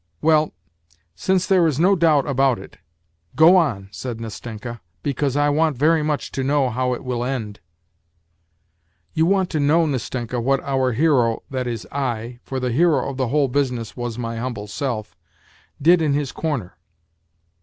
" Well, since there is no doubt about it, go on," said Nastenka, " because I want very much to know how it will end." " You want to know, Nastenka, what our hero, that is I for the hero of the whole business was my humble self did in his corner